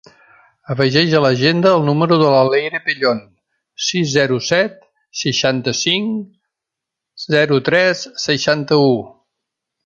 Afegeix a l'agenda el número de la Leire Pellon: sis, zero, set, seixanta-cinc, zero, tres, seixanta-u.